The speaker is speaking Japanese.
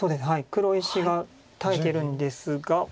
黒石が耐えてるんですが。